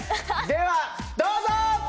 ではどうぞ！えっ？